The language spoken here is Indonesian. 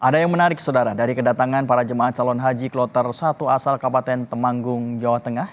ada yang menarik saudara dari kedatangan para jemaah calon haji kloter satu asal kabupaten temanggung jawa tengah